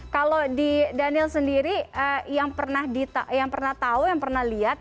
kalau di daniel sendiri yang pernah tahu yang pernah lihat